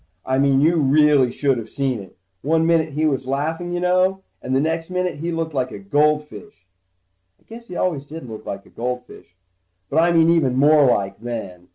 I mean you really should of seen it. One minute he was laughing you know, and the next minute he looked like a goldfish. I guess he always did look like a goldfish, but I mean even more like, then.